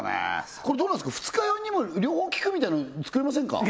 これどうなんですか二日酔いにも両方効くみたいなの作れませんか？